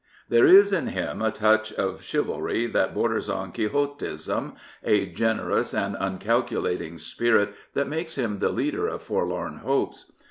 There is in him a touch of chivalry that borders on Quixotism, a generous and uncalculating spirit that makes him the leader of forlorn hopes.